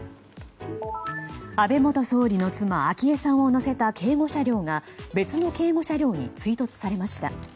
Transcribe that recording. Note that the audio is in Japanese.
安倍元総理の妻・昭恵さんを乗せた警護車両が別の警護車両に追突されました。